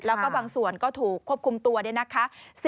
แล้วก็บางส่วนก็ถูกควบคุมตัวเนี่ยนะคะ